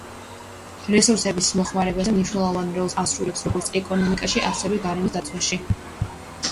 დისკუსიები ადამიანთა მიერ რესურსების მოხმარებაზე მნიშვნელოვან როლს ასრულებს როგორც ეკონომიკაში, ასევე გარემოს დაცვაში.